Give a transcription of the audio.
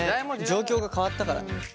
状況が変わったから。